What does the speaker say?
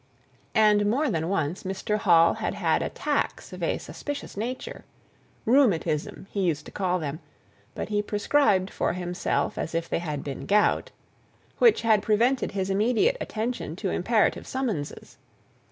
And more than once Mr. Hall had had attacks of a suspicious nature, "rheumatism" he used to call them, but he prescribed for himself as if they had been gout which had prevented his immediate attention to imperative summonses.